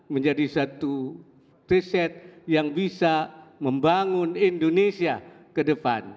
menjadi satu riset yang bisa membangun indonesia ke depan